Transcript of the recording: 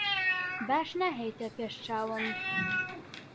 باش ناهێیتە پێش چاو.